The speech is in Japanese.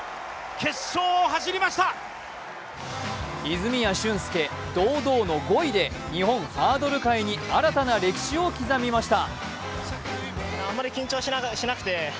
泉谷駿介、堂々の５位で日本ハードル界に新たな歴史を刻みました。